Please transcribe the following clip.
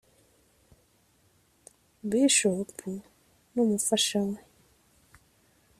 Bishop n’umufasha we